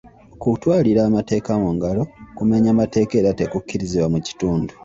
Okutwalira amateeka mu ngalo kumenya mateeka era tekukkirizibwa mu kitundu.